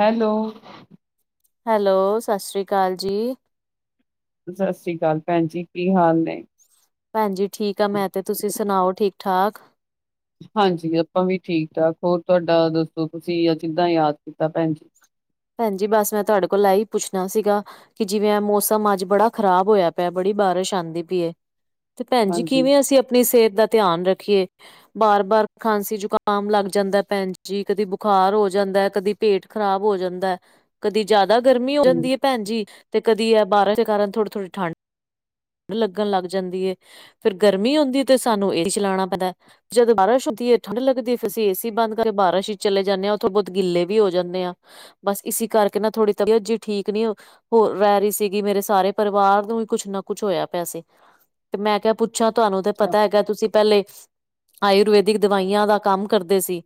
Hello. Hello, ਸਤਿ ਸ਼੍ਰੀ ਅਕਾਲ ਜੀ। ਸਤਿ ਸ਼੍ਰੀ ਅਕਾਲ ਭੈਣ ਜੀ ਕੀ ਹਾਲ ਨੇ? ਭੈਂਜੀ ਠੀਕ ਆ ਮੈ, ਤੇ ਤੁਸੀ ਸੁਣਾਓ ਠੀਕ ਠਾਕ। ਹਾਂਜੀ। ਆਪਾ ਵੀ ਠੀਕ ਠਾਕ ਹੋਰ ਤਾਡਾ ਦਸੋ ਤੁਸੀ ਆ ਕਿਦਾ ਯਾਦ ਕੀਤਾ ਭੈਣ ਜੀ। ਭੈਂਜੀ ਬਸ ਮੈ ਤਆਡੇ ਕੋਲ ਐ ਈ ਪੁੱਛਨਾ ਸੀਗਾ ਕਿ ਜਿਵੇ ਮੋਸਮ ਅਜ ਬੜਾ ਖਰਾਬ ਹੋਏਆ ਪੇਆ। ਬੜੀ ਬਾਰਿਸ਼ ਆਂਦੀ ਪਈ ਏ। ਤੇ ਭੈਣਜੀ ਹਾਂਜੀ, ਕਿਵੇਂ ਅਸੀ ਆਪਣੀ ਸਿਹਤ ਦਾ ਧਿਆਨ ਰਖੀਏ- ਬਾਰ- ਬਾਰ ਖਾਂਸੀ ਜ਼ੁਕਾਮ ਲਗ ਜਾਂਦਾ ਭੈਣਜੀ ਕਦੀ ਬੁਖਾਰ ਹੋ ਜਾਂਦਾ ਕਦੀ ਪੇਟ ਖਰਾਬ ਹੋ ਜ- ਦਾ ਕਦੀ ਜਿਆਦਾ ਗਰਮੀ ਹੋ ਹਾਂਜੀ, ਜਾਦੀ ਭੈਣਜੀ ਤੇ ਕਦੀ ਇਹ ਬਾਰਸ਼ ਦੇ ਕਾਰਨ ਥੋੜੀ- ਥੋੜੀ ਠੰਡ- ਲਗਣ ਲਗ ਜਾਂਦੀ ਏ, ਫਿਰ ਗਰਮੀ ਹੁੰਦੀ ਤੇ ਸਾਨੂੰ ਏਸੀ ਚਲਾਉਣਾ ਪੈਂਦਾ- ਜਦੋਂ ਬਾਰਿਸ਼ ਹੁੰਦੀ ਠੰਢ ਲਗਦੀ ਫਿਰ ਅਸੀ ਏਸੀ ਬੰਦ ਕਰਕੇ ਬਾਰਸ਼ ਵਿਚ ਚਲੇ ਜਾਦੇ ਹਾਂ ਉਥੋਂ ਬਹੁਤ ਗਿਲੇ ਵੀ ਹੋ ਜਾਂਦੇ ਆ- ਬਸ ਇਸੀ ਕਰਕੇ ਨਾ ਥੋੜੀ ਤਬੀਅਤ ਜੀ ਠੀਕ ਨੀ ਹੋ- ਹੋ ਰਹਿ ਸੀਗੀ ਮੇਰੇ ਸਾਰੇ ਪਰਿਵਾਰ ਨੂੰ ਵੀ ਕੁਛ ਨਾ- ਕੁਛ ਹੋਇਆ ਪਿਆ ਸੀ ਤੇ ਮੈਂ ਕਿਹਾ ਪੁੱਛਾਂ ਤੁਹਾਨੂੰ ਤੇ ਅੱਛਾ। ਪਤਾ ਹੈਗਾ ਤੁਸੀਂ- ਪਹਿਲੇ ਆਯੁਰਵੇੈਦਿਕ ਦਵਾਈਆਂ ਦਾ ਕੰਮ ਕਰਦੇ ਸੀ।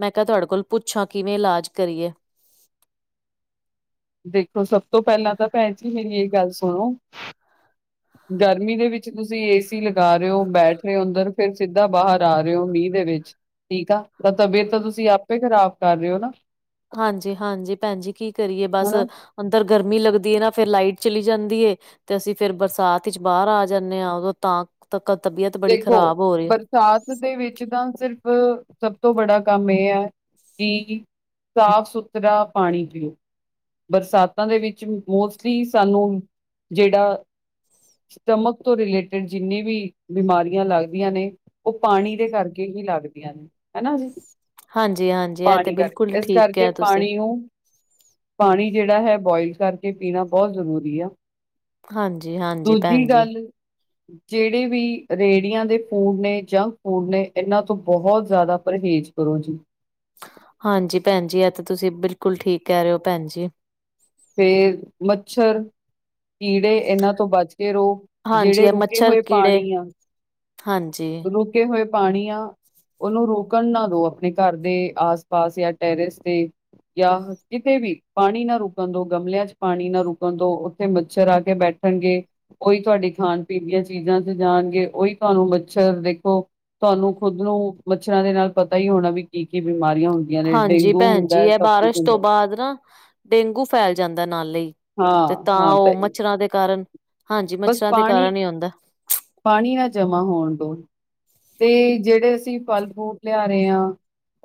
ਮੈ ਕਿਹਾ ਤੁਹਾਡੇ ਕੋਲੋਂ ਪੁੱਛਾਂ ਕਿਵੇ ਇਲਾਜ ਕਰੀਏ- ਦੇਖੋ ਸਭ ਤੋ ਪਹਿਲਾ ਤਾਂ ਭੈਣਜੀ ਮੇਰੀ ਗੱਲ ਸੁਣੋ- ਗਰਮੀ ਦੇ ਵਿਚ ਤੁਸੀ ਏਸੀ ਲਗਾ ਰਹੇ ਹੋ ਬੈਠ ਰਹੇ ਹੋ ਅੰਦਰ ਫੇਰ ਸਿਧਾ ਬਾਹਰ ਆ ਰਹੇ ਹੋ ਮੀਂਹ ਦੇ ਵਿਚ- ਠੀਕ ਆ ਤਾਂ ਤਬੀਅਤ ਤੁਸੀ ਆਪੇ ਖਰਾਬ ਕਰ ਰਹੇ ਹੋ ਨਾ- ਹਾਂਜੀ- ਹਾਂਜੀ ਭੈਣਜੀ ਕੀ ਕਰੀਏ ਬਸ- ਹਨਾ। ਅੰਦਰ ਗਰਮੀ ਲਗਦੀ ਹੈ ਨਾ ਫਿਰ ਲਾਈਟ ਚਲੀ ਜਾਂਦੀ ਏ- ਤੇ ਅਸੀ ਫਿਰ ਬਰਸਾਤ ਵਿਚ ਬਾਹਰ ਆ ਜਾਦੇ ਹਾਂ ਉਦੋ ਤਾਂ- ਤਕ ਤਬੀਅਤ- ਬੜੀ ਦੇਖੋ ਖ਼ਰਾਬ ਹੋ ਰਹੀ ਹੈ ਪਰ ਸਾਥ ਦੇ ਵਿਚ ਤਾਂ ਸਿਰਫ ਸਭ ਤੋ ਬੜਾ ਕੰਮ ਇਹ ਹੈ। ਕਿ- ਸਾਫ ਸੁਥਰਾ ਪਾਣੀ ਪੀਓ- ਬਰਸਾਤਾਂ ਦੇ ਵਿਚ ਮੋਸਟਲੀ ਸਾਨੂੰ ਜੇੜਾ- ਸਟਮਕ ਤੋਂ ਰਿਲੇਟਿਡ ਜਿੰਨੇ ਵੀ- ਬਿਮਾਰੀਆਂ ਲੱਗਦੀਆਂ ਨੇ ਉਹ ਪਾਣੀ ਦੇ ਕਰਕੇ ਹੀ ਲੱਗਦੀਆਂ ਨੇ ਹੈਨਾ ਜੀ- ਹਾਂਜੀ-ਹਾਂਜੀ ਇਹ ਤੇ ਪਾਨੀ ਬਿਲਕੁਲ ਕਰਕੇ ਇਸ ਠੀਕ ਕਰਕੇ ਕਿਹਾ ਤੁਸੀਂ ਪਾਣੀ ਨੂੰ- ਪਾਣੀ ਜੇਹੜਾ ਹੈ ਬੋਆਇਲ ਕਰਕੇ ਪੀਣਾ ਬਹੁਤ ਜਰੂਰੀ ਆ- ਹਾਂਜੀ-ਹਾਂਜੀ ਦੂਜੀ ਭੈਣ ਜੀ ਗੱਲ ਜੇੜੇ ਵੀ- ਰੇਹੜੀਆਂ ਦੇ ਫੂਡ ਨੇ, ਜੰਕ ਫੂਡ ਨੇ ਇਹਨਾ ਤੋੰ ਬਹੁਤ ਜਿਆਦਾ ਪਰਹੇਜ਼ ਕਰੋ ਜੀ- ਹਾਂਜੀ ਭੈਣ ਜੀ ਐਹ ਤੇ ਤੁਸੀ ਬਿਲਕੁਲ ਠੀਕ ਕਹਿ ਰਹੇ ਹੋ ਭੈਣ ਜੀ- ਫੇਰ ਮੱਛਰ ਕੀੜੇ ਇਹਨਾ ਤੋਂ ਬਚ ਕੇ ਰਹੋ- ਹਾਂਜੀ ਜਿਹੜੇ ਇਹ ਰੁਕੇ ਮੱਛਰ ਹੋਏ ਕੀੜੇ ਪਾਨੀ ਆ ਹਾਂਜੀ ਰੁਕੇ ਹੋਏ ਪਾਣੀ ਆ- ਉਹਨੂੰ ਰੁਕਣ ਨਾ ਦੋ ਆਪਣੇ ਘਰ ਦੇ ਆਸ ਪਾਸ ਜਾਂ ਟੈਰਿਸ ਤੇ- ਯਾ ਕਿਤੇ ਵੀ ਪਾਣੀ ਨਾ ਰੂਪ- ਰੁਕਣ ਦੋ, ਗਮਲਿਆਂ 'ਚ ਪਾਨੀ ਨਾ ਰੁਕਣ ਦੋ, ਉਥੇ ਮੱਛਰ ਆ ਕੇ ਬੈਠਣਗੇ- ਉਹੀ ਤੁਹਾਡੇ ਖਾਣ ਪੀਣ ਦੀਆਂ ਚੀਜਾ 'ਚ ਜਾਣਗੇ, ਉਹੀ ਤੁਹਾਨੂੰ ਮੱਛਰ ਦੇਖੋ- ਤੁਹਾਨੂੰ ਖੁਦ ਨੂੰ ਮੱਛਰਾਂ ਦੇ ਨਾਲ ਪਤਾ ਹੀ ਹੋਣਾ ਵੀ ਕੀ ਕੀ ਬਿਮਾਰੀਆਂ ਹੁੰਦੀ ਹਾਂਜੀ ਭੈਣ ਜੀ ਐ ਬਾਰਿਸ਼ ਤੋ ਬਾਅਦ ਨਾ ਡੇਂਗੂ ਫੈਲ ਜਾਂਦਾ ਨਾਲੇ- ਤੇ ਹਾਂ, ਤਾਂ ਹਾਂ ਉਹ ਮੱਛਰਾਂ ਦੇ ਕਾਰਨ, ਹਾਂਜੀ ਮੱਛਰਾਂ ਦੇ ਕਾਰਨ ਹੀ ਆਉਂਦਾ ਪਾਨੀ ਨਾ ਜਮਾ ਹੋਣ ਦੋ- ਤੇ ਜੇਹੜੇ ਅਸੀ ਫਲ ਫੂਟ ਲਿਆ ਰਹੇ ਹਾਂ-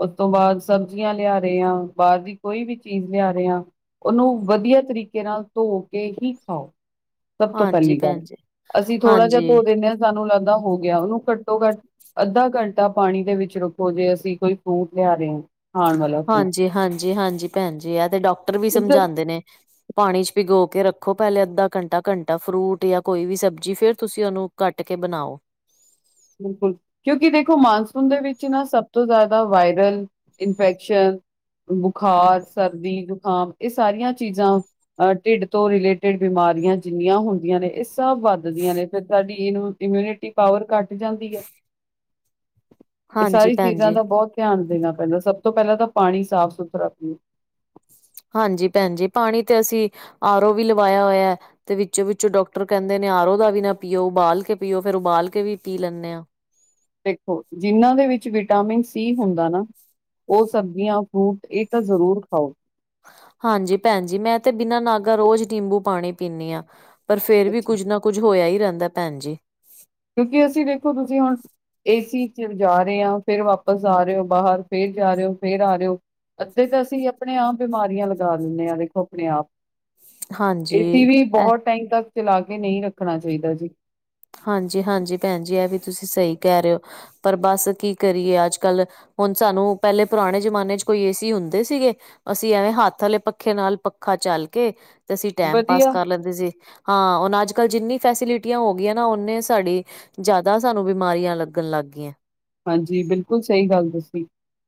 ਉਸ ਤੋੰ ਬਾਅਦ ਸਬਜ਼ੀਆਂ ਲਿਆ ਰਹੇ ਹਾਂ, ਬਾਹਰ ਦੀ ਕੋਈ ਵੀ ਚੀਜ ਲਿਆ ਰਹੇ ਹਾਂ- ਉਹਨੂੰ ਵਧੀਆ ਤਰੀਕੇ ਨਾਲ ਧੋ ਕੇ ਹੀ ਖਾਓ। ਸਭ ਤੋਂ ਹਾਂਜੀ ਪਹਿਲੀ ਗੱਲ ਭੈਣ ਜੀ ਅਸੀਂ ਥੋੜ੍ਹਾ ਜਿਹਾ ਹਾਂਜੀ ਧੋ ਦਿੰਦੇ ਹਾਂ ਸਾਨੂੰ ਲੱਗਦਾ ਹੋ ਗਿਆ ਉਹਨੂੰ ਕਟ ਘਟੋ ਘੱਟ ਅੱਧਾ ਘੰਟਾ ਪਾਣੀ ਦੇ ਵਿੱਚ ਰੱਖੋ, ਜੇ ਅਸੀਂ ਕੋਈ ਫਰੂਟ ਲਿਆ ਰਹੇ। ਖਾਣ ਵਾਲਾ ਫਰੂਟ ਹਾਂਜੀ- ਹਾਂਜੀ- ਹਾਂਜੀ ਭੈਣ ਜੀ ਐ ਤੇ ਡੋਕਟਰ ਵੀ ਮਤਲਬ ਸਮਝਾਂਦੇ ਨੇ। ਪਾਣੀ 'ਚ ਭਿਗੋ ਕੇ ਰੱਖੋ ਪਹਿਲੇ ਅੱਧਾ ਘੰਟਾ, ਘੰਟਾ ਫਰੂਟ ਜਾਂ ਕੋਈ ਵੀ ਸਬਜ਼ੀ ਫਿਰ ਤੁਸੀਂ ਉਹਨੂੰ ਕੱਟ ਕੇ ਬਣਾਓ। ਬਿਲਕੁਲ, ਕਿਉਂਕਿ ਦੇਖੋ ਮਾਨਸੂਨ ਦੇ ਵਿੱਚ ਨਾ ਸਭ ਤੋਂ ਜ਼ਿਆਦਾ ਵਾਇਰਲ ਇਨਫੈਕਸ਼ਨ ਬੁਖਾਰ, ਸਰਦੀ, ਜ਼ੁਕਾਮ ਇਹ ਸਾਰੀਆਂ ਚੀਜ਼ਾਂ ਅਹ ਢਿੱਡ ਤੋਂ ਰਿਲੇਟਿਡ ਬਿਮਾਰੀਆਂ ਜਿੰਨੀਆਂ ਹੁੰਦੀਆਂ ਨੇ, ਇਹ ਸਭ ਵੱਧਦੀਆਂ ਨੇ ਫਿਰ ਤੁਹਾਡੀ ਇਹਨੂੰ ਇਮਿਊਨਿਟੀ ਪਾਵਰ ਘੱਟ ਜਾਂਦੀ ਹੈ, ਇਹ ਹਾਂਜੀ ਸਾਰੀ ਭੈਣ ਚੀਜ਼ਾਂ ਜੀ, ਦਾ ਬਹੁਤ ਧਿਆਨ ਦੇਣਾ ਪੈਂਦਾ, ਸਭ ਤੋਂ ਪਹਿਲਾਂ ਤਾਂ ਪਾਣੀ ਸਾਫ਼ ਸੁਥਰਾ ਪੀਣਾ। ਹਾਂਜੀ ਭੈਣ ਜੀ, ਪਾਣੀ ਤੇ ਅਸੀਂ ਆਰ ਓ ਵੀ ਲਵਾਇਆ ਹੋਇਆ। ਤੇ ਵਿੱਚੋਂ ਵਿੱਚੋਂ ਡਾਕਟਰ ਕਹਿੰਦੇ ਨੇ, ਆਰੋ ਦਾ ਵੀ ਨਾ ਪੀਓ ਉਬਾਲ ਕੇ ਪੀਓ ਫ਼ਿਰ ਉਬਾਲ ਕੇ ਵੀ ਪੀ ਲੈਂਨੇ ਆਂ। ਦੇਖੋ ਜਿਨਾਂ ਦੇ ਵਿੱਚ ਵਿਟਾਮਿਨ ਸੀ ਹੁੰਦਾ ਨਾ ਉਹ ਸਬਜ਼ੀਆਂ ਫਰੂਟ ਇਹ ਤਾਂ ਜ਼ਰੂਰ ਖਾਓ‌। ਹਾਂਜੀ ਭੈਣ ਜੀ ਮੈਂ ਤੇ ਬਿਨਾਂ ਨਾਗਾ ਰੋਜ਼ ਨਿੰਬੂ ਪਾਣੀ ਪੀਂਦੀ ਆਂ। ਪਰ ਫੇਰ ਵੀ ਅੱਛਾ। ਕੁੱਝ ਨਾ ਕੁੱਝ ਹੋਇਆ ਹੀ ਰਹਿੰਦਾ ਭੈਣ ਜੀ। ਕਿਉਂਕਿ ਅਸੀਂ ਦੇਖੋ ਤੁਸੀਂ ਹੁਣ ਏਸੀ ਚ ਜਾ ਰਹੇ ਹਾਂ, ਫਿਰ ਵਾਪਸ ਆ ਰਹੇ ਹੋ ਬਾਹਰ ਫਿਰ ਜਾ ਰਹੇ ਹੋ ਫੇਰ ਆ ਰਹੇ ਹੋ ਅੱਧੇ ਤਾਂ ਅਸੀਂ ਆਪਣੇ ਆਪ ਬਿਮਾਰੀਆਂ ਲਗਾ ਲੈਂਨੇ ਆ, ਦੇਖੋ ਆਪਣੇ ਆਪ ਨੂੰ ਏਸੀ ਹਾਂਜੀ। ਵੀ ਬਹੁਤ ਟਾਈਮ ਤੱਕ ਚਲਾ ਕੇ ਨਹੀਂ ਰੱਖਣਾ ਚਾਹੀਦਾ ਜੀ। ਹਾਂਜੀ ਹਾਂਜੀ ਭੈਣ ਜੀ ਇਹ ਵੀ ਤੁਸੀਂ ਸਹੀ ਕਹਿ ਰਹੇ ਹੋ, ਪਰ ਬਸ ਕੀ ਕਰੀਏ ਅੱਜ ਕੱਲ। ਹੁਣ ਸਾਨੂੰ ਪਹਿਲੇ ਪੁਰਾਣੇ ਜਮਾਨੇ ਚ ਕੋਈ ਏ ਸੀ ਹੁੰਦੇ ਸੀਗੇ। ਅਸੀਂ ਐਵੇਂ ਹੱਥ ਵਾਲੇ ਪੱਖੇ ਨਾਲ ਪੱਖਾ ਝਲ ਕੇ ਤੇ ਅਸੀਂ ਟਾਈਮ ਪਾਸ ਵਧੀਆ ਕਰ ਲੈਂਦੇ ਸੀ, ਹਾਂ ਹੁਣ ਅੱਜ ਕੱਲ੍ਹ ਜਿੰਨੀ ਫੈਸਿਲਿਟੀ ਹੋ ਨਾ ਓਨੇ ਸਾਡੀ ਜ਼ਿਆਦਾ ਸਾਨੂੰ ਬਿਮਾਰੀਆਂ ਲੱਗਣ ਲੱਗ ਗਈ ਐ। ਹਾਂਜੀ ਬਿਲਕੁਲ ਸਹੀ ਗੱਲ ਦਸੀ।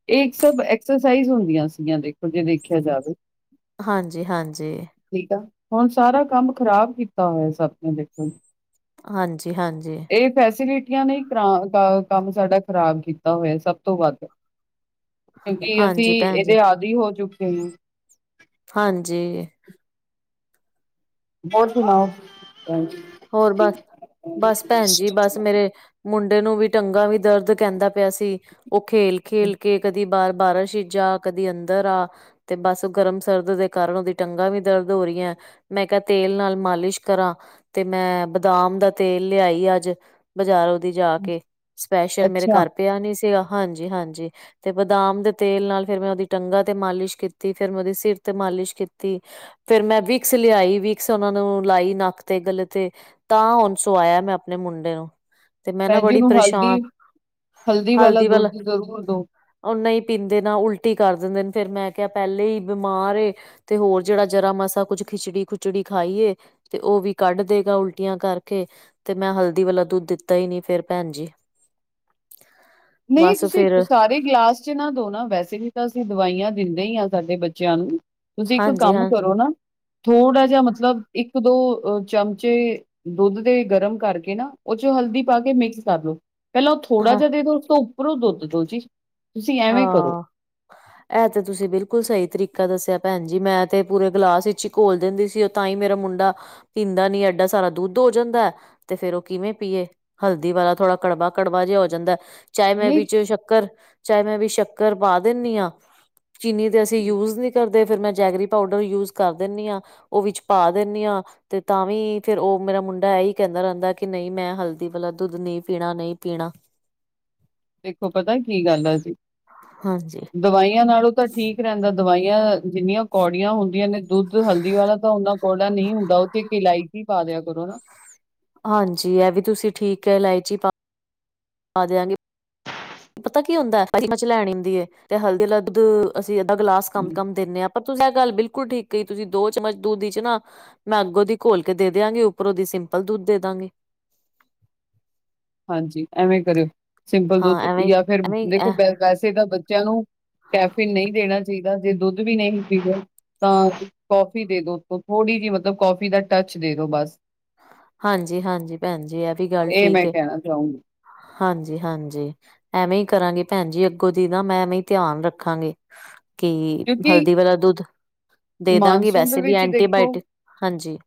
ਇਹ ਇੱਕ ਸਭ ਐਕਸਰਸਾਈਜ਼ ਹੁੰਦੀਆਂ ਸੀਗੀਆਂ ਦੇਖੋ, ਜੇ ਦੇਖਿਆ ਜਾਵੇ ਹਾਂਜੀ ਹਾਂਜੀ। ਠੀਕ ਆ, ਹੁਣ ਸਾਰਾ ਕੰਮ ਖ਼ਰਾਬ ਕੀਤਾ ਹੋਇਆ ਸਭ ਨੇ ਦੇਖੋ ਹਾਂਜੀ ਹਾਂਜੀ। ਇਹ ਫੈਸਿਲਿਟੀਆਂ ਨੇ ਕਰ ਕੰਮ ਸਾਡਾ ਖ਼ਰਾਬ ਕੀਤਾ ਹੋਇਆ ਸਭ ਤੋਂ ਵੱਧ। ਕਿਉਂਕਿ ਅਸੀਂ ਹਾਂਜੀ ਭੈਣ ਜੀ ਇਹਦੇ ਆਦਿ ਹੋ ਚੁੱਕੇ ਹਾਂ। ਹਾਂਜੀ। ਹੋਰ ਸੁਣਾਓ? ਹੋਰ ਬਸ, ਬਸ ਭੈਣ ਜੀ ਬਸ ਮੇਰੇ ਮੁੰਡੇ ਨੂੰ ਵੀ ਟੰਗਾ ਵੀ ਦਰਦ ਕਹਿੰਦਾ ਪਿਆ ਸੀ, ਉਹ ਖੇਲ ਖੇਲ ਕੇ ਕਦੀ ਬਾਹਰ ਬਾਰਿਸ਼ ਇਚ ਜਾ, ਕਦੀ ਅੰਦਰ ਆ ਤੇ ਬਸ ਗਰਮ ਸਰਦ ਦੇ ਕਾਰਨ ਉਹਦੀ ਟੰਗਾਂ ਵੀ ਦਰਦ ਹੋ ਰਹੀ ਐ। ਮੈਂ ਕਿਹਾ ਤੇਲ ਨਾਲ ਮਾਲਿਸ਼ ਕਰਾਂ, ਤੇ ਮੈਂ ਬਦਾਮ ਦਾ ਤੇਲ ਲਿਆਈ ਅੱਜ। ਬਾਜ਼ਾਰੋ ਦੀ ਜਾ ਕੇ ਸਪੈਸ਼ਲ, ਮੇਰੇ ਅੱਛਾ ਘਰ ਪੇਆ ਨੀ ਸੀਗਾ ਹਾਂਜੀ ਹਾਂਜੀ। ਤੇ ਬਦਾਮ ਦੇ ਤੇਲ ਨਾਲ ਫੇਰ ਮੈਂ ਉਹਦੀ ਟੰਗਾਂ ਤੇ ਮਾਲਿਸ਼ ਕੀਤੀ, ਫੇਰ ਮੈਂ ਉਹਦੀ ਸਿਰ ਤੇ ਮਾਲਿਸ਼ ਕੀਤੀ। ਫੇਰ ਮੈਂ ਵਿਕਸ ਲਿਆਈ ਵਿਕਸ ਉਹਨਾ ਨੂੰ ਲਾਈ ਨੱਕ ਤੇ ਗਲਤ ਤੇ ਤਾਂ ਹੁਣ ਸਆਇਆ ਮੈਂ ਆਪਣੇ ਮੁੰਡੇ ਨੂੰ। ਤੇ ਮੈਂ ਨਾ ਭੈਣ ਜੀ ਬੜੀ ਨੂੰ ਹਲਦੀ ਪਰੇਸ਼ਾਨ, ਹਲਦੀ ਵਾਲਾ ਦੁੱਧ ਜ਼ਰੂਰ ਦੋ। ਉਹ ਨਹੀਂ ਪੀਂਦੇ ਨਾ ਉਲਟੀ ਕਰ ਦਿੰਦੇ ਨੇ, ਫੇਰ ਮੈਂ ਕਿਹਾ ਪਹਿਲੇ ਹੀ ਬਿਮਾਰ ਏ ਤੇ ਹੋਰ ਜਿਹੜਾ ਜਰਾ ਮਾਸਾ ਕੁੱਝ ਖਿਚੜੀ ਖੁਚੜੀ ਖਾਈਏ ਤੇ ਉਹ ਵੀ ਕੱਢ ਦੇ ਉਲਟੀਆਂ ਕਰਕੇ, ਤੇ ਮੈਂ ਹਲਦੀ ਵਾਲਾ ਦੁੱਧ ਦਿੱਤਾ ਹੀ ਨੀ ਫੇਿਰ ਭੈਣ ਜੀ। ਨਹੀਂ ਬਸ ਤੁਸੀਂ ਫੇਰ ਸਾਰੇ ਗਲਾਸ ਬਚੇ ਨੂੰ ਨਾ ਦੋ ਨਾ, ਵੈਸੇ ਵੀ ਤਾਂ ਅਸੀਂ ਦਵਾਈਆਂ ਦਿੰਦੇ ਹੀ ਹਾਂ ਸਾਡੇ ਬੱਚਿਆਂ ਨੂੰ। ਤੁਸੀ ਇੱਕ ਹਾਂਜੀ ਕੰਮ ਹਾਂ ਕਰੋ ਨਾ, ਥੋੜਾ ਜਿਆ ਮਤਲਬ ਇੱਕ ਦੋ ਚਮਚੇ ਦੁੱਧ ਦੇ ਗਰਮ ਕਰਕੇ ਨਾ ਓ ਚ ਹਲਦੀ ਪਾ ਕੇ ਮਿਕਸ ਕਰ ਲੋ। ਪੈਲਾਂ ਓ ਥੋੜਾ ਹਾਂ ਜਿਆ ਦੇ ਦੋ, ਉਸ ਤੋ ਉੱਪਰੋ ਦੁੱਧ ਦੋ ਜੀ। ਤੁਸੀਂ ਐਵੇਂ ਹਾਂ। [inaudible] ਐ ਤੇ ਤੁਸੀ ਬਿਲਕੁਲ ਸਈ ਤਰੀਕਾ ਦੱਸਿਆ ਭੈਨ ਜੀ ਮੈਂ ਤੇ ਪੂਰੇ ਗਲਾਸ ਇਚ ਈ ਘੋਲ ਦਿੰਦੀ ਸੀ ਤਾਂ ਈ ਮੇਰਾ ਮੁੰਡਾ ਪੀਂਦਾ ਨੀ ਐਡਾ ਸਾਰਾ ਦੁੱਧ ਹੋ ਜਾਂਦਾ ਐ। ਤੇ ਫੇਰ ਓ ਕਿਵੇਂ ਪੀਏ, ਹਲਦੀ ਵਾਲਾ ਥੋੜਾ ਕੜਵਾ- ਕੜਵਾ ਜੇਆ ਹੋ ਜਾਂਦਾ ਐ। ਚਾਇ ਮੈਂ ਨਹੀਂ ਵਿਚ ਸ਼ੱਕਰ, ਚਾਇ ਮੈ ਵੀ ਸ਼ੱਕਰ ਪਾ ਦੇਨੀ ਆਂ ਚੀਨੀ ਤੇ ਅਸੀ ਯੂਜ਼ ਨੀ ਕਰਦੇ ਫੇਰ ਮੈ ਜੈਗਰੀ ਪਾਊਡਰ ਯੂਜ਼ ਕਰ ਦੇਨੀ ਆਂ। ਓ ਵਿੱਚ ਪਾ ਦੇਨੀ ਆਂ ਤੇ ਤਾਂ ਵੀ ਫੇਰ ਓ ਮੇਰਾ ਮੁੰਡਾ ਐਈ ਕੈਂਦਾ ਰੈਂਦਾ ਕਿ ਨਈ, ਮੈਂ ਹਲਦੀ ਵਾਲਾ ਦੁੱਧ ਨਈ ਪੀਣਾ ਨਈ ਪੀਣਾ। ਦੇਖੋ ਪਤਾ ਕੀ ਗੱਲ ਐ ਜੀ ਹਾਂਜੀ। ਦਵਾਈਆਂ ਨਾਲੋ ਤਾਂ ਠੀਕ ਰੈਂਦਾ, ਦਵਾਈਆਂ ਜਿੰਨੀਆਂ ਕੌੜੀਆਂ ਹੁੰਦੀਆਂ ਨੇ ਦੁੱਧ ਹਲਦੀ ਵਾਲਾ ਤਾ ਓਨਾ ਕੌੜਾ ਨਈ ਹੁੰਦਾ ਓਚ ਇੱਕ ਇਲਾਇਚੀ ਪਾ ਦਿਆ ਕਰੋ ਨਾ। ਹਾਂਜੀ ਐ ਵੀ ਤੁਸੀ ਠੀਕ ਐ ਇਲਾਇਚੀ ਪਾ ਦੈਆਂ ਗੀ ਪਤਾ ਕੀ ਹੁੰਦਾ ਏ ਏਕ ਚਮਚ ਲੈਣੀ ਹੁੰਦੀ ਐ ਤੇ ਹਲਦੀ ਆਲਾ ਦੁੱਧ ਅਸੀ ਅੱਧਾ ਗਲਾਸ ਕੰਮ- ਹੂੰ। ਕੰਮ ਦੇਨੇ ਆਂ। ਤੁਸਾਂ ਐ ਗੱਲ ਬਿਲਕੁਲ ਠੀਕ ਕਈ ਤੁਸੀ ਦੋ ਚਮਚ ਦੂਦ ਇਚ ਨਾ ਮੈ ਅਗੋ ਦੀ ਘੋਲ ਕੇ ਦੇ ਦੀਆਂਗੀ ਉੱਪਰੋ ਦੀ ਸਿੰਪਲ ਦੁੱਦ ਦੇ ਦਾਂਗੀ। ਹਾਂਜੀ, ਐਵੇਂ ਕਰਿਓ ਸਿੰਪਲ ਹਾਂ ਦੁੱਧ ਐਵੇਂ ਯਾ ਫਿਰ ਐਵੇਂ ਦੇਖੋ ਅ ਵੈਸੇ ਤਾ ਬੱਚਿਆਂ ਨੂੰ ਕੈਫੇਨ ਨਈ, ਦੇਣਾ ਚਾਈਦਾ ਜੇ ਦੁੱਧ ਵੀ ਨਹੀ ਪੀਵੇ ਤਾਂ ਕੌਫੀ ਦੇ ਦੋ ਥੋੜ੍ਹੀ ਜਿ ਮਤਲਬ ਕੌਫੀ ਦਾ ਟੱਚ ਦੇ ਦੋ ਬਸ। ਹਾਂਜੀ- ਹਾਂਜੀ ਭੈਣ ਜੀ ਐ ਵੀ ਗੱਲ ਠੀਕ ਏ। ਜਾਓ [unintelligible] ਹਾਂਜੀ- ਹਾਂਜੀ ਐਮੇ ਈ ਕਰਾਂਗੀ ਭੈਨ ਜੀ, ਅੱਗੋਂ ਦੀ ਨਾ ਮੈ ਐਮੇ ਈ ਧਿਆਨ ਰੱਖਾਂਗੇ ਕਿ ਕਿਉਂਕਿ ਹਲਦੀ ਵਾਲਾ ਦੁੱਧ ਦੇ ਦਾਂਗੀ, ਮਾਨਸੂਨ ਦੇ ਵੈਸੇ ਵੀ ਵਿੱਚ ਐਂਟੀਬਾਇਟਿਕ ਹਾਂਜੀ।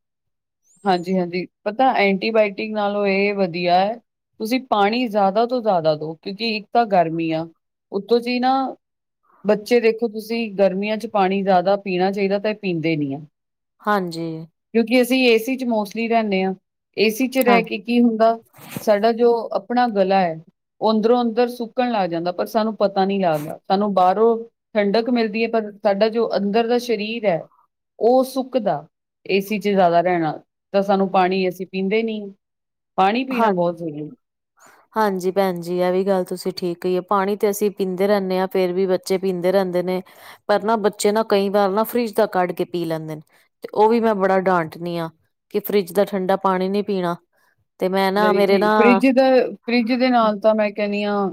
ਹਾਂਜੀ- ਹਾਂਜੀ ਪਤਾ ਐਂਟੀਬਾਇਟਿਕ ਨਾਲੋ ਏ ਵਧੀਆ ਐ। ਤੁਸੀ ਪਾਣੀ ਜ਼ਿਆਦਾ ਤੋਂ ਜ਼ਿਆਦਾ ਦਓ, ਕਿਉਂਕਿ ਇੱਕ ਤਾਂ ਗਰਮੀ ਆ ਉੱਤੋਂ ਜੀ ਨਾ ਬੱਚੇ ਵੇਖੋ ਤੁਸੀ ਗਰਮੀਆਂ ਚ ਪਾਣੀ ਜ਼ਿਆਦਾ ਪੀਣਾ ਚਾਈਦਾ ਤੇ ਏ ਪੀਂਦੇ ਨਈ ਆ। ਹਾਂਜੀ। ਕਿਉਂਕਿ, ਅਸੀਂ ਏ ਸੀ ਚ ਮੋਸਟਲੀ ਰੈਨੇ ਆਂ ਏ ਸੀ ਚ ਰੈ ਹਾਂ ਕੇ ਕੀ ਹੁੰਦਾ ਸਾਡਾ ਜੋ ਆਪਣਾ ਗਲਾ ਐ ਓ ਅੰਦਰੋਂ ਅੰਦਰ ਸੁੱਕਣ ਲੱਗ ਜਾਂਦਾ ਪਰ ਸਾਨੂੰ ਪਤਾ ਨੀ ਲੱਗਦਾ ਸਾਨੂੰ ਬਾਰੋਂ ਠੰਡਕ ਮਿਲਦੀ ਐ ਪਰ ਸਾਡਾ ਜੋ ਅੰਦਰ ਦਾ ਸ਼ਰੀਰ ਐ ਓ ਸੁੱਕਦਾ ਏ ਸੀ ਚ ਜ਼ਿਆਦਾ ਰੈਨ ਨਾਲ। ਤਾ ਸਾਨੂੰ ਪਾਣੀ ਅਸੀਂ ਪੀਂਦੇ ਨਈ, ਪਾਣੀ ਪੀਣਾ ਹਾਂ ਬਹੁਤ ਜ਼ਰੂਰੀ ਹਾਂਜੀ, ਭੈਣ ਜੀ ਐ ਵੀ ਗੱਲ ਤੁਸੀ ਠੀਕ ਕਈ ਏ ਪਾਣੀ ਤੇ ਅਸੀ ਪੀਂਦੇ ਰੈਂਦੇ ਆਂ ਫੇਰ ਵੀ ਬਚੇ ਬੱਚੇ ਪੀਂਦੇ ਰੈਂਦੇ ਨੇ ਪਰ ਨਾ ਬੱਚੇ ਨਾ ਕਈ ਵਾਰ ਨਾ ਫਰਿਜ ਦਾ ਕੱਢ ਕੇ ਪੀ ਲੈਂਦੇ ਨੇ ਤੇ ਓ ਵੀ ਮੈਂ ਬੜਾ ਡਾਂਟਨੀ ਆਂ ਕਿ ਫਰਿੱਜ ਦਾ ਠੰਡਾ ਪਾਣੀ ਨੀ ਪੀਣਾ ਤੇ, ਮੈਂ ਨਾ ਨਹੀਂ ਮੇਰੇ ਜੀ ਨਾ ਫਰਿੱਜ ਦਾ ਫਰਿੱਜ ਦੇ ਨਾਲ ਤਾਂ ਮੈਂ ਕੈਨੀ ਆਂ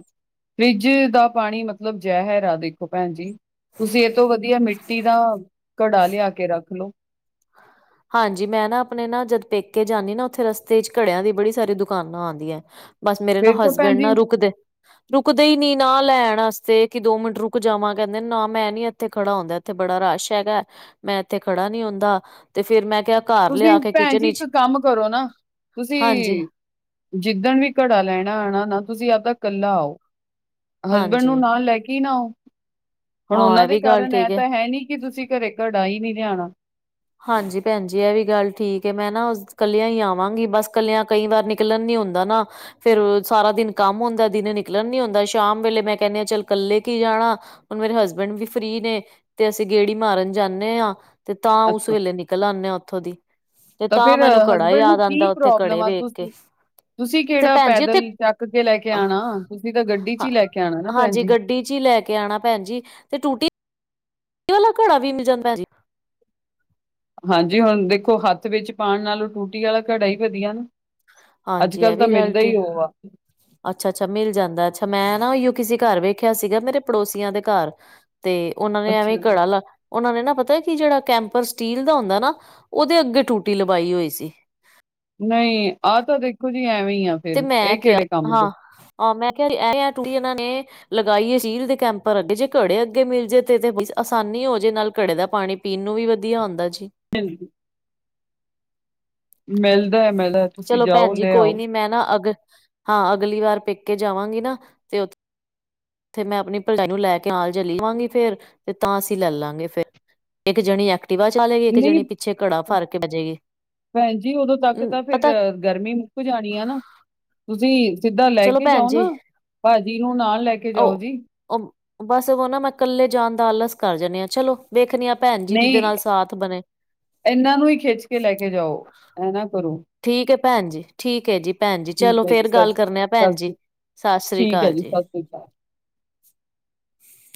ਫਰਿੱਜ ਦਾ ਪਾਣੀ ਮਤਲਬ ਜੈਹਰ ਹੈ, ਦੇਖੋ ਭੈਣ ਜੀ। ਤੁਸੀਂ ਏ ਤੋਂ ਵਧੀਆ ਮਿੱਟੀ ਦਾ ਘੜਾ ਲਿਆ ਕੇ ਰੱਖ ਲੋੋ। ਹਾਂਜੀ, ਮੈਂ ਨਾ ਅਪਨੇ ਨਾ ਜਦ ਪੇਕੇ ਜਾਨੀ ਨਾ, ਉੱਥੇ ਰਸਤੇ ਏਚ ਘੜੇਯਾਂ ਦੀ ਬੜੀ ਸਾਰੀ ਦੁਕਾਨਾਂ ਆਂਦੀਆਂ ਬਸ, ਮੇਰੇ ਨਾ ਫਿਰ ਤਾਂ ਭੈਣ ਹਸਬੈਂਡ ਨਾ ਜੀ ਰੁਕਦੇ ਰੁਕਦੇ ਈਨੀ ਨਾ ਲੈਣ ਆਸਤੇ, ਕਿ ਦੋ ਮਿੰਟ ਰੁਕ ਜਾਵਾਂ ਕੈਂਦੇ ਨਾ ਮੈਂ ਨੀ ਏਥੇ ਖੜਾ ਹੋਂਦਾ, ਏਥੇ ਬੜਾ ਰਸ਼ ਹੈਗਾ, ਮੈਂ ਏਥੇ ਖੜਾ ਨੀ ਹੁੰਦਾ, ਤੇ ਫੇਰ ਮੈਂ ਕੇਯਾ ਤੁਸੀਂ ਭੈਣ ਜੀ, ਇੱਕ ਕੰਮ ਕਰੋ ਨਾ, ਹਾਂਜੀ ਤੁਸੀਂ ਜਿੱਦਣ ਵੀ ਘੜਾ ਲੈਣਾ ਆਣਾ ਨਾ, ਤੁਸੀਂ ਆਪ ਦਾ ਕੱਲਾ ਆਓ। ਹਸਬੈਂਡ ਨੂੰ ਹਾਂਜੀ ਨਾਲ ਲੈ ਕੇ ਈਨਾ ਆਓ, ਹੁਨ ਹਾਂ ਓਨਾਂ ਇਹ ਦੇ ਵੀ ਗੱਲ ਕਾਰਨ ਐ ਠੀਕ ਤਾਂ ਹੈ ਨੀ ਕੀ ਤੁਸੀਂ ਘਰੇ ਘੜਾ ਹੀ ਨੀਂ ਲਿਆਣਾ। ਹਾਂਜੀ, ਭੈਣ ਜੀ ਐ ਵੀ ਗੱਲ ਠੀਕ ਐ, ਮੈਂ ਨਾ ਕੱਲਿਆਂ ਈ ਆਵਾਂਗੀ ਬਸ, ਕੱਲਿਆਂ ਕਈ ਵਾਰ ਨਿਕਲਨ ਨੀ ਹੁੰਦਾ ਨਾ। ਫੇਰ ਸਾਰਾ ਦਿਨ ਕੰਮ ਹੁੰਦਾ, ਦਿਨੇ ਨਿਕਲਣ ਨੀ ਹੁੰਦਾ। ਸ਼ਾਮ ਵੇਲੇ ਮੈਂ ਕੈਂਨੀ ਆ ਚੱਲ, ਕੱਲੇ ਕੀ ਜਾਣਾ। ਹੁਨ ਮੇਰੇ ਹਸਬੈਂਡ ਵੀ ਫ੍ਰਰੀ ਨੇ, ਤੇ ਅਸੀਂ ਗੇੜੀ ਮਾਰਨ ਜਾਨੇ ਆਂ, ਤੇ ਤਾਂ ਉਸ ਵੇਲੇ ਨਿਕਲ ਆਨੇ ਆਂ ਓਥੋ ਦੀ। ਤੇ ਤ ਤਾਂ ਫਿਰ ਮੈਨੂੰ ਘੜਾ ਹਸਬੈਂਡ ਨੂੰ ਯਾਦ ਆਂਦਾ ਕੀ ਉੱਥੇ ਪ੍ਰੋਬਲਮ ਘੜੇ ਆ, ਵੇਖ ਕੇ ਤੁਸੀਂ ਤੁਸੀਂ ਤੇ ਕੇੜਾ ਭੈਣ ਜੀ ਪੈਦਲ ਉੱਥੇ ਚੱਕ ਕੇ ਲੈਕੇ ਆਣਾ, ਤੁਸੀਂ ਤਾਂ ਗੱਡੀ ਚ ਹੀ ਲੈਕੇ ਆਣਾ ਨਾ ਭੈਣ ਜੀ। ਡੀ'ਚ ਲੈ ਕੇ ਆਣਾ ਭੈਣ ਜੀ, ਤੇ ਟੂਟੀ ਵਾਲਾ ਘੜਾ ਵੀ ਮਿਲ ਜਾਂਦਾ ਜੇ? ਹਾਂਜੀ, ਹੁਨ ਦੇਖੋ ਹੱਥ ਵਿੱਚ ਪਾਣ ਨਾਲੋਂ, ਟੂਟੀ ਵਾਲਾ ਘੜਾ ਹੀ ਵਧੀਆ ਨਾ। ਅੱਜ ਕਲ ਤਾਂ ਮਿਲਦਾ ਈ, ਓ ਵਾ। ਅੱਛਾ-ਅੱਛਾ, ਮਿਲ ਜਾਂਦਾ ਅੱਛਾ, ਮੈਂ ਨਾ ਓਈਯੋ ਕਿਸੇ ਘਰ ਵੇਖਿਆ ਸੀਗਾ ਮੇਰੇ ਪੜੋਸੀਆਂ ਦੇ ਘਰ। ਤੇ ਓਨਾਂ ਨੇ ਐਵੇਂ ਅੱਛਾ ਜੀ, ਘੜਾ ਲਾ ਓਨਾ ਨੇ ਨਾ ਪਤਾ, ਕਿ ਜੇੜਾ ਕੈਂਪਰ ਸਟੀਲ ਦਾ ਹੁੰਦਾ ਨਾ ਓਦੇ ਅੱਗੇ ਟੂਟੀ ਲਵਾਈ ਹੋਈ ਸੀ। ਨਈਂ, ਆਹ ਤਾਂ ਦੇਖੋ ਜੀ ਐਵੇਂ ਈਆ ਫੇਰ ਐ ਕੇੜੇ ਕੰਮ ਦੇ। ਆਾ ਮੈਂ ਕੇਯਾ ਐ, ਐਂ ਟੂਟੀ ਏਨਾਂ ਨੇ ਲਗਾਈਏ ਸਟੀਲ ਦੇ ਕੈਂਪਰ ਅੱਗੇ, ਜੇ ਘੜੇ ਅੱਗੇ ਮਿਲ ਜਾਏ ਤੇ, ਤੇ ਆਸਾਨੀ ਹੋ ਜੇ ਨਾਲ ਘੜੇ ਦਾ ਪਾਣੀ ਪੀਨ ਨੂੰ ਵੀ ਵਧੀਆ ਹੁੰਦਾ ਜੀ। [unintelligible] ਮਿਲਦਾ ਐ ਮਿਲਦਾ। ਤੁਸੀਂ ਚਲੋ ਭੈਣ ਜਾਓ ਜੀ ਲੈ ਕੋਈ ਆਓ। ਨੀ, ਮੈਂ ਨਾ ਅਗ ਹਾਂ ਅਗਲੀ ਵਾਰ ਪੇਕੇ ਜਾਵਾਂਗੀ ਨਾ ਉੱਥੇ ਤੇ ਮੈਂ ਅਪਨੀ ਭਰਜਾਈ ਨੂੰ ਲੈ ਕੇ ਨਾਲ ਚਲੀ ਜਾਵਾਂਗੀ, ਫੇਰ ਤੇ ਤਾਂ ਅਸੀਂ ਲੈਲਾਂਗੇ ਫੇਰ। ਇੱਕ ਜਣੀ ਟੀਵਾ ਚਲਾ ਲੇਗੀ, ਏਕ ਨਹੀਂ ਜਣੀ ਪਿੱਛੇ ਘੜਾ ਫਾੜ ਕੇ ਬੈਜੇਗੀ, ਭੈਣ ਜੀ ਉਦੋਂ ਤੱਕ ਤਾਂ ਫਿਰ ਪਤਾ ਗਰਮੀ ਮੁੱਕ ਜਾਣੀ ਆਨਾ, ਤੁਸੀਂ ਸਿੱਦਾ ਲੈ ਚਲੋ ਕੇ ਭੈਣ ਜਾਓ ਨਾ, ਜੀ ਭਾਜੀ ਨੂੰ ਨਾਲ ਲੈ ਕੇ ਜਾਓ ਉਹ ਜੀ। ਬਸ, ਓਨਾ ਮੈਂ ਕੱਲੇ ਜਾਣ ਦਾ ਆਲਸ ਕਰ ਜਾਨੀ ਆਂ ਚਲੋ ਵੇਖਨੀ ਆ ਭੈਣ ਜੀ, ਕਿਦੇ ਨਾਲ ਸਾਥ ਬਨੇ? ਏਨਾਂ ਨੂੰ ਈਂ ਖੇਚ ਕੇ ਲੈਕੇ ਜਾਓ, ਐ ਨਾ ਕਰੋ। ਠੀਕ ਐ ਭੈਣ ਜੀ, ਠੀਕ ਐਜੀ। ਭੈਣ ਜੀ ਚਲੋ ਠੀਕ ਹੈ ਜੀ ਫੇਰ ਸਤਿ ਗੱਲ ਸ੍ਰੀ ਕਰਨੇ ਆ ਭੈਣ ਜੀ, ਸਤਿ ਸ੍ਰੀ ਸਸ੍ਰੀ ਕਾਲ ਜੀ। ਠੀਕ ਐ।